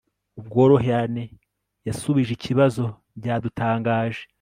ubworoherane yasubije ikibazo byadutangaje